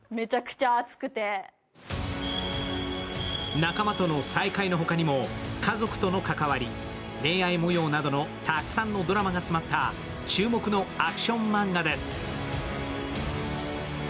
仲間との再会の他にも家族との関わり、恋愛もようなどのたくさんのドラマが詰まった注目のアクションマンガです。